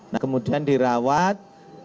nah kemudian dirawat